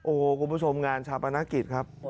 โอ้โหคุณผู้ชมงานชาปนกิจครับ